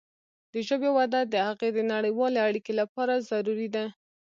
د ژبې وده د هغې د نړیوالې اړیکې لپاره ضروري ده.